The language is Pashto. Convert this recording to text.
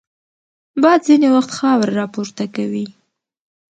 باد ځینې وخت خاوره راپورته کوي